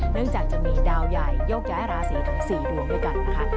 เนื่องจากจะมีดาวใหญ่เตียกย้ายราศีทั้ง๔ดวงด้วยกัน